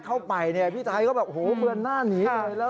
ขอบคุณพี่ไทยที่ขอบคุณพี่ไทย